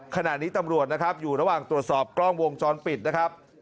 ขณะนี้ตำรวจนะครับอยู่ระหว่างตรวจสอบกล้องวงจรปิดนะครับ